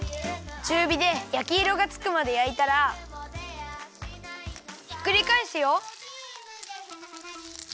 ちゅうびでやきいろがつくまでやいたらひっくりかえすよ。